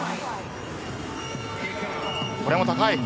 これも高い！